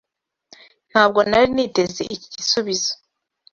Ntabwo nari niteze iki gisubizo.